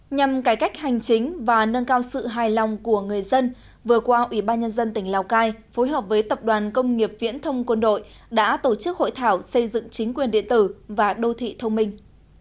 nhằm cải cách hành chính và nâng cao sự hài lòng của người dân vừa qua ủy ban nhân dân tỉnh lào cai phối hợp với tập đoàn công nghiệp viễn thông quân đội đã tổ chức hội thảo xây dựng chính quyền điện tử và đô thị thông minh